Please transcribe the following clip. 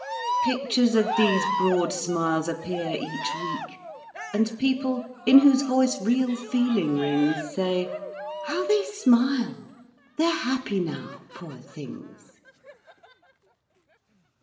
Pictures of these broad smiles appear each week, And people in whose voice real feeling rings Say: How they smile! They're happy now, poor things.